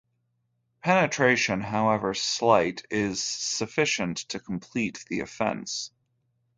Penetration, however slight, is sufficient to complete the offence.